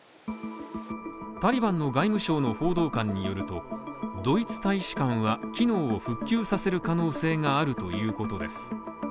タリバンの外務省の報道官によると、ドイツ大使館は機能を復旧させる可能性があるということです。